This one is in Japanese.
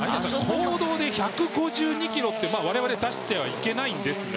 公道で１５２ｋｍって我々出してはいけないんですが。